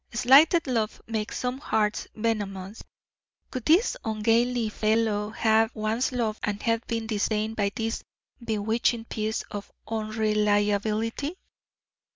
Slighted love makes some hearts venomous. Could this ungainly fellow have once loved and been disdained by this bewitching piece of unreliability?